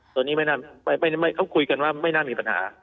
ตอนนี้เขาคุยกันว่าไม่น่ามีปัญหา